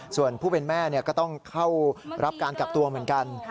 ส่วนผู้เป็นแม่ก็ต้องเข้ารับการกักตัวเหมือนกัน